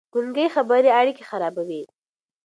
ګونګې خبرې اړيکې خرابوي.